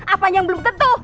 apa yang belum tentu